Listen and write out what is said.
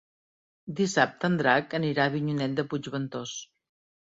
Dissabte en Drac anirà a Avinyonet de Puigventós.